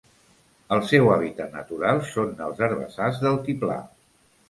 El seu hàbitat natural són els herbassars d'altiplà.